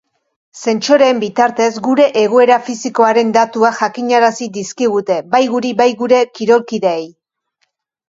Sentsoreen bitartez gure egoera fisikoaren datuak jakinarazi dizkigute bai guri bai gure kirolkideei.